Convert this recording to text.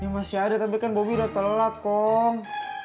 masih ada tapi kan bobby udah terlelat kong